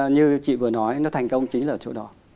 như chị vừa nói nó thành công chính là chỗ đó